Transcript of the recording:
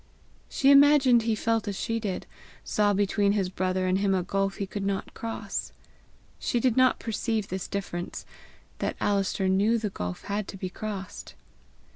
She imagined he felt as she did, saw between his brother and him a gulf he could not cross. She did not perceive this difference, that Alister knew the gulf had to be crossed.